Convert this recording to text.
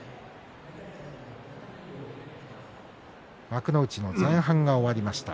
幕内の前半が終わりました。